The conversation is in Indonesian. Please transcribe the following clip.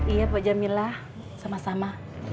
iya pak jamila sama sama